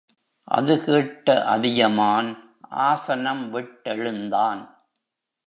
அதுகேட்ட அதியமான் ஆசனம் விட்டெழுந்தான்.